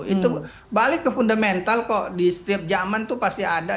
itu balik ke fundamental kok di setiap zaman itu pasti ada